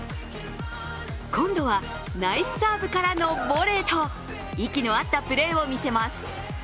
今度はナイスサーブからのボレーと息の合ったプレーを見せます。